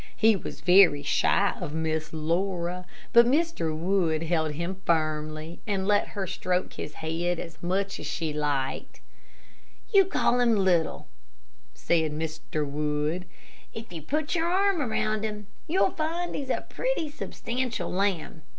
He was very shy of Miss Laura, but Mr. Wood held him firmly, and let her stroke his head as much as she liked. "You call him little," said Mr. Wood; "if you put your arm around him, you'll find he's a pretty substantial lamb.